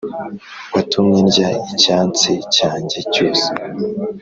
watumye ndya icyatsi cyanjye cyose